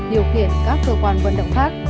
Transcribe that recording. điều khiển các cơ quan vận động khác